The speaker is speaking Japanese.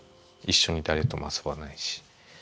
一緒に誰とも遊ばないし。